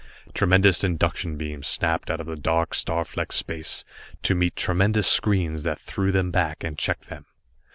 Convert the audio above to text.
Tremendous induction beams snapped out through the dark, star flecked space, to meet tremendous screens that threw them back and checked them.